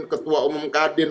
ketua umum kadin